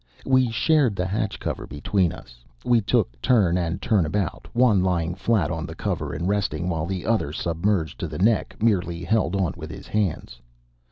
We shared the hatch cover between us. We took turn and turn about, one lying flat on the cover and resting, while the other, submerged to the neck, merely held on with his hands.